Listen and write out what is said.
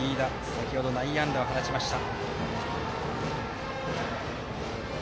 先ほど、内野安打を放ちました。